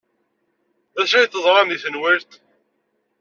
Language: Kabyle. D acu ay teẓram deg tenwalt?